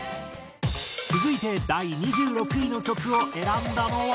続いて第２６位の曲を選んだのは。